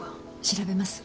調べます。